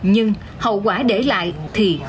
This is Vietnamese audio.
nhưng hậu quả để lại thì không được